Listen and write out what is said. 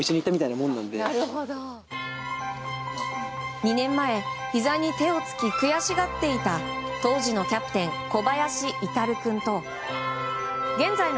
２年前、ひざに手をつき悔しがっていた当時のキャプテン小林到君と現在の